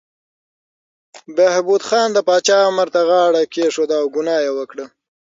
بهبود خان د پاچا امر ته غاړه کېښوده او ګناه یې وکړه.